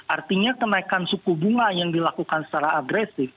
artinya kenaikan suku bunga yang dilakukan secara agresif